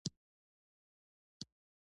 _دا سړی څه کوې؟